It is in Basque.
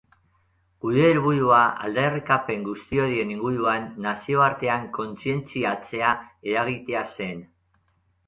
Gure helburua, aldarrikapen guzti horien inguruan, nazioartean kontzientziatzea eragitea zen.